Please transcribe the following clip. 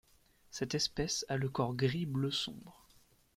Cette espèce a le corps gris bleu sombre.